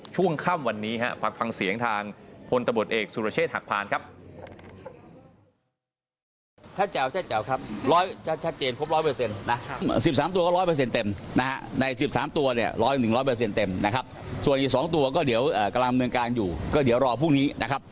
ช่วงค่ำวันนี้ฟังเสียงทางพลตำรวจเอกสุรเชษฐ์หักพานครับ